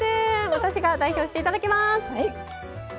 私が代表して、いただきます。